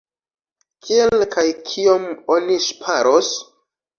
Kiel kaj kiom oni ŝparos?